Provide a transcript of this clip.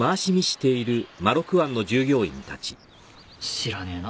知らねえな。